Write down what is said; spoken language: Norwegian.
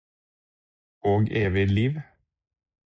og evig liv.